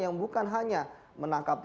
yang bukan hanya menangkap